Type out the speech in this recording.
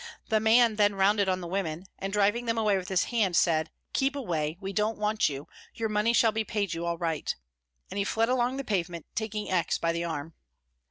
The man then rounded on the women, and driving them away with his hand, said :" Keep away, we don't want you your money shall be paid you all right," and he fled along the pavement, taking X. by the arm.